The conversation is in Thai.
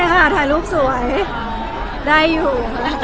ก็โอเคค่ะถ่ายรูปสวยได้อยู่